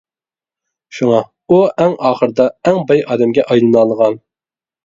شۇڭا، ئۇ ئەڭ ئاخىرىدا ئەڭ باي ئادەمگە ئايلىنالىغان.